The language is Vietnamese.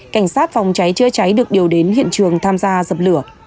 cảnh sát phòng cháy chữa cháy được điều đến hiện trường tham gia dập lửa